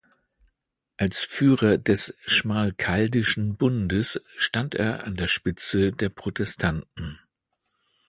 Als Führer des Schmalkaldischen Bundes stand er an der Spitze der Protestanten.